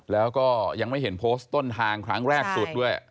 แล้วก็ยังไม่เห็นโพสต์ต้นทางครั้งแรกสุดด้วย